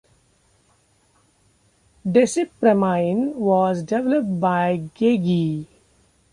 Desipramine was developed by Geigy.